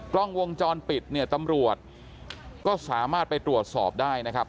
กล้องวงจรปิดเนี่ยตำรวจก็สามารถไปตรวจสอบได้นะครับ